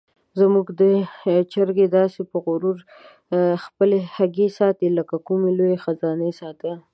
زموږ چرګه داسې په غرور خپلې هګۍ ساتي لکه د کومې لویې خزانې ساتل.